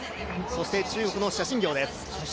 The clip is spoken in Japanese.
そして中国の謝震業です。